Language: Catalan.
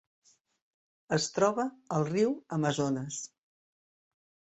Es troba al riu Amazones.